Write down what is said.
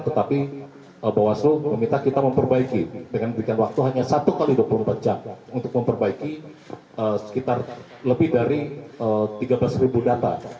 tetapi bawaslu meminta kita memperbaiki dengan memberikan waktu hanya satu x dua puluh empat jam untuk memperbaiki sekitar lebih dari tiga belas data